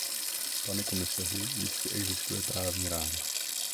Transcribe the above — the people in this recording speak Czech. Pane komisaři, jistě existuje právní rámec.